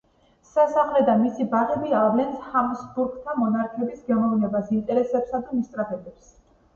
სასახლე და მისი ბაღები ავლენს ჰაბსბურგთა მონარქების გემოვნებას, ინტერესებსა თუ მისწრაფებებს.